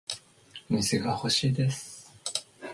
水が欲しいです